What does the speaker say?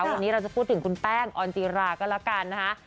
วันนี้เราจะพูดถึงคุณแป้งออนจิราก็แล้วกันนะคะ